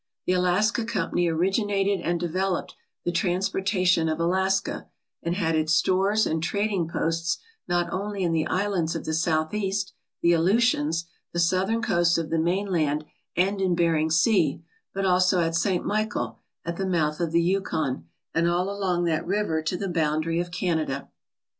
The Alaska company originated and developed the transporta tion of Alaska, and had its stores and trading posts not only in the islands of the Southeast, the Aleutians, the southern coast of the mainland, and in Bering Sea, but also at St. Michael, at the mouth of the Yukon, and all along that river to the boundary of Canada.